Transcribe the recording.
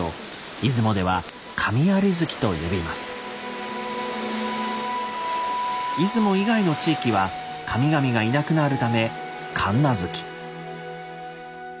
出雲以外の地域は神々がいなくなるため「神無月」。